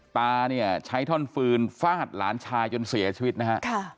ตาเนี่ยใช้ท่อนฟืนฟาดหลานชายจนเสียชีวิตนะฮะ